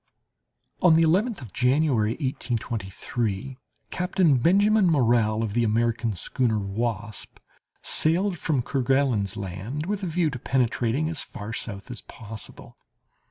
On the 11th of January, 1823, Captain Benjamin Morrell, of the American schooner Wasp, sailed from Kerguelen's Land with a view of penetrating as far south as possible.